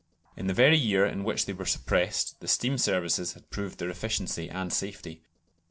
In the very year in which they were suppressed the steam services had proved their efficiency and safety.